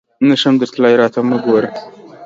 نه شم درتلای ، راته مه ګوره !